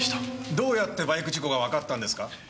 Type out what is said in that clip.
どうやってバイク事故がわかったんですか？